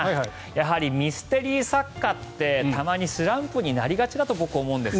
やはりミステリー作家ってたまにスランプになりがちだと僕、思うんです。